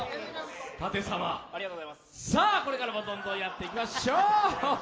舘様、さあこれからもどんどんやっていきましょう。